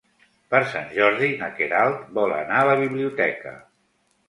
Per Sant Jordi na Queralt vol anar a la biblioteca.